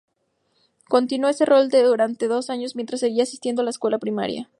Continuó este rol durante dos años, mientras seguía asistiendo a la escuela primaria.